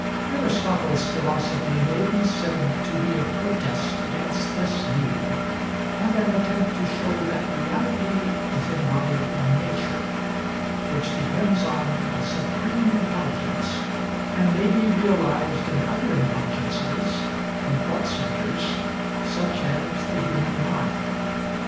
Aristotle's philosophy may be said to be a protest against this view, and an attempt to show that reality is embodied in nature, which depends on a supreme intelligence, and may be realized in other intelligences, or thought centres, such as the human mind.